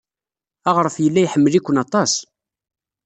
Aɣref yella iḥemmel-iken aṭas.